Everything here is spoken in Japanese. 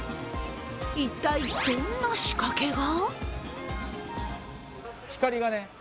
一体どんな仕掛けが？